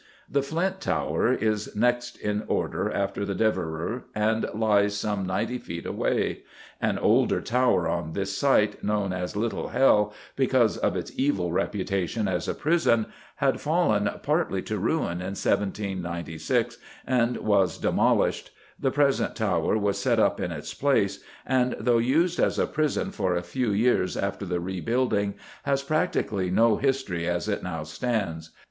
The Flint Tower is next in order after the Devereux, and lies some ninety feet away. An older tower on this site, known as Little Hell because of its evil reputation as a prison, had fallen partly to ruin in 1796 and was demolished; the present tower was set up in its place, and, though used as a prison for a few years after the rebuilding, has practically no history as it now stands.